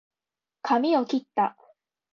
かみをきった